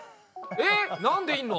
えっなんでいんの？